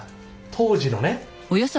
当時のね。